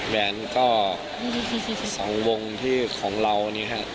แบบนี้ก็๒วงของเรานี่ครับ